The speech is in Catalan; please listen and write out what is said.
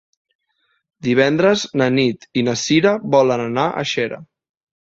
Divendres na Nit i na Cira volen anar a Xera.